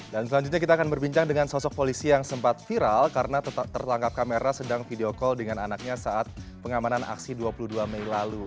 dan selanjutnya kita akan berbincang dengan sosok polisi yang sempat viral karena tertangkap kamera sedang video call dengan anaknya saat pengamanan aksi dua puluh dua mei lalu